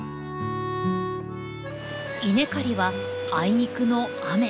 稲刈りはあいにくの雨。